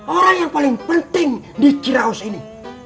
orang yang paling penting di ciraus ini